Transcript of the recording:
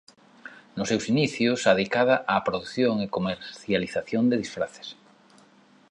Nos seus inicios adicada á produción e comercialización de disfraces.